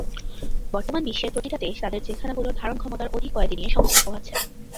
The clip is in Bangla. বর্তমান বিশ্বের প্রতিটা দেশ তাদের জেলখানাগুলোর ধারণক্ষমতার অধিক কয়েদী নিয়ে সমস্যা পোহাচ্ছে।